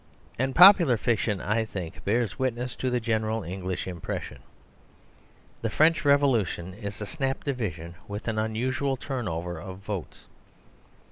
And popular fiction, I think, bears witness to the general English impression. The French Revolution is a snap division with an unusual turnover of votes.